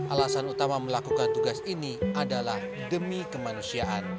alasan utama melakukan tugas ini adalah demi kemanusiaan